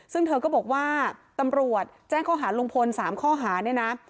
ซึ่งเธอก็บอกว่าตำรวจแจ้งข้อหาลุงพล๓ข้อหาเนี่ยนะ